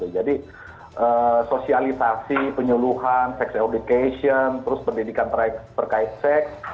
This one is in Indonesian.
jadi sosialisasi penyeluhan sex education terus pendidikan terkait seks